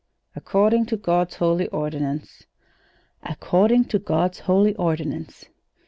"According to God's holy ordinance." "'According to God's holy ordinance.'"